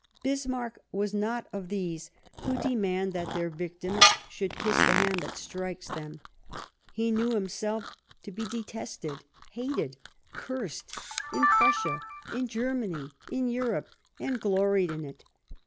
Bismarck was not of those who demand that their victims should kiss the hand that strikes them. He knew himself to be detested, hated, cursed, in Prussia, in Germany, in Europe, and gloried in it.